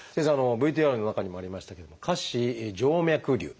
ＶＴＲの中にもありましたけれども「下肢静脈りゅう」。